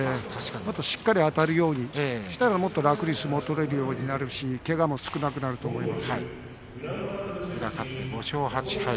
しっかりあたるようにするともっと楽に相撲を取れるようになるし、けがも少なくなると宇良が勝って５勝８敗